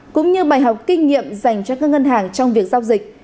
cũng như bài học kinh nghiệm dành cho các ngân hàng trong việc giao dịch